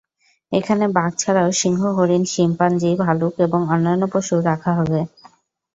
এখানে বাঘ ছাড়াও সিংহ, হরিণ, শিম্পাঞ্জি, ভালুক এবং অন্যান্য পশু রাখা হবে।